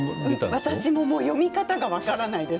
私も読み方が分からないです。